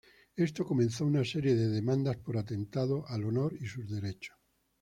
Éste comenzó una serie de demandas por atentado al honor y sus derechos.